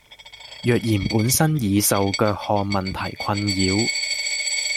若然本身已受腳汗問題困擾